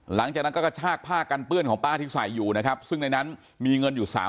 หลังจากนั้นก็กระชากผ้ากันเปื้อนของป้าที่ใส่อยู่นะครับซึ่งในนั้นมีเงินอยู่สาม